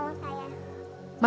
masih ada korban